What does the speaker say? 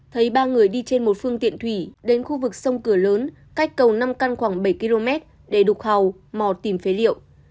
thấy ba người đi trên một phương tiện thủy đến khu vực sông cửa lớn cách cầu năm căn khoảng bảy km để đục hầu mò tìm phế liệu